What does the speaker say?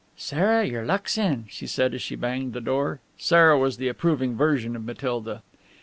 "Sarah, your luck's in," she said, as she banged the door Sarah was the approving version of Matilda.